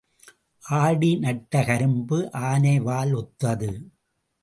ஆடி நட்ட கரும்பு ஆனை வால் ஒத்தது.